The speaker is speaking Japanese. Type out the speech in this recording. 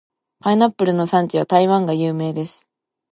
パイナップルの産地は台湾が有名です。